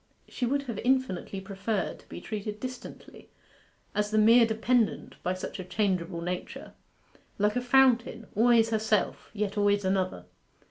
She would have infinitely preferred to be treated distantly, as the mere dependent, by such a changeable nature like a fountain, always herself, yet always another.